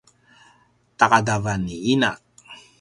taqadavan ni ina